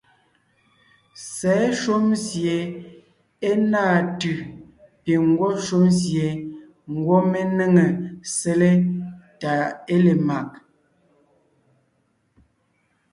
Sɛ̌ shúm sie é náa tʉ̀ piŋ ńgwɔ́ shúm sie ńgwɔ́ mé néŋe sele tà é le mag.